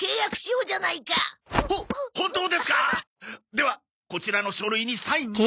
ではこちらの書類にサインを。